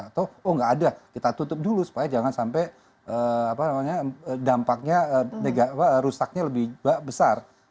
atau oh nggak ada kita tutup dulu supaya jangan sampai dampaknya rusaknya lebih besar